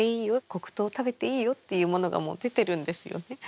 黒糖食べていいよっていうものが出てるんですよね。